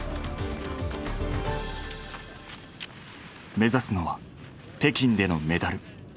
目指すのは北京でのメダル。